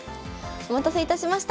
お待たせいたしました。